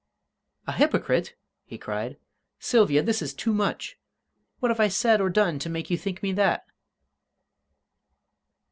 "A hypocrite!" he cried. "Sylvia, this is too much! What have I said or done to make you think me that?"